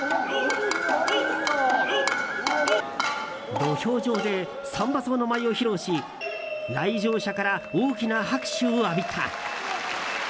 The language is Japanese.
土俵上で三番叟の舞を披露し来場者から大きな拍手を浴びた。